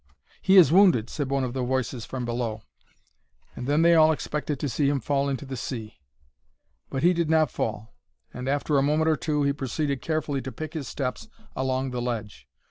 "He is wounded," said one of the voices from below; and then they all expected to see him fall into the sea. But he did not fall, and after a moment or two, he proceeded carefully to pick his steps along the ledge.